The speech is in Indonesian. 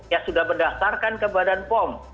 ya sudah mendaftarkan ke badan pom